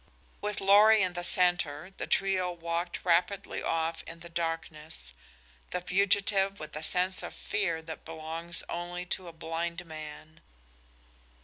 With Lorry in the center the trio walked rapidly off in the darkness, the fugitive with the sense of fear that belongs only to a blind man.